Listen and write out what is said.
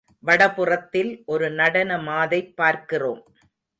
வடபுறத்தில் ஒரு நடன மாதைப் பார்க்கிறோம்.